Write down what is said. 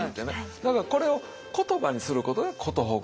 だからこれを言葉にすることが「寿ぐ」。